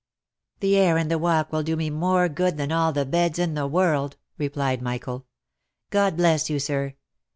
" The air and the walk will do me more good than all the beds in the world!" replied Michael. " God bless you, sir!